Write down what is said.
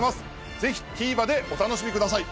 ぜひＴＶｅｒでお楽しみください。